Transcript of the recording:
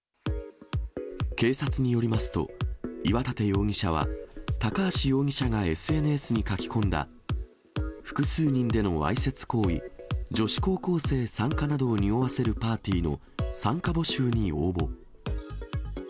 警察によりますと、岩立容疑者は、高橋容疑者がＳＮＳに書き込んだ、複数人でのわいせつ行為、女子高校生参加などをにおわせるパーティーの参加募集に応募。